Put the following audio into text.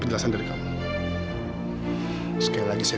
ah kayaknya gitu dayanya